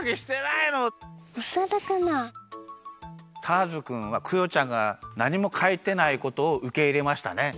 ターズくんはクヨちゃんがなにもかいてないことをうけいれましたね。